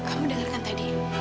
kamu denger kan tadi